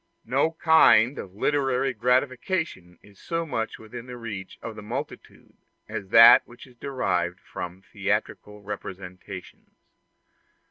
No kind of literary gratification is so much within the reach of the multitude as that which is derived from theatrical representations.